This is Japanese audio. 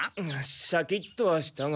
シャキッとはしたが。